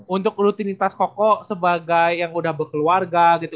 untuk rutinitas koko sebagai yang udah berkeluarga gitu